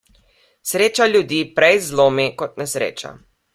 Sreča ljudi prej zlomi kot nesreča.